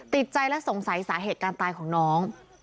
ติดใจและสงสัยสาเหตุการตายของน้อง